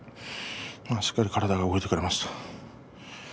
しっかり体が動いてくれました。